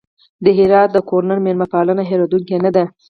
د هرات د ګورنر مېلمه پالنه هېرېدونکې نه ده.